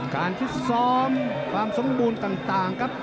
การที่ซ้อมความทรงบูลต่างครับ